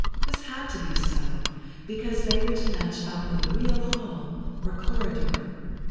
This had to be so, because they were to match up with a real hall or corridor.